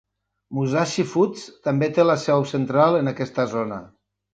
Musashi Foods també té la seu central en aquesta zona.